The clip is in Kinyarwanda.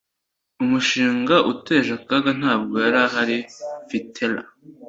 Umushinga uteje akaga ntabwo yari ahari Fitela